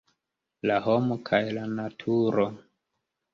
La homo kaj la naturo.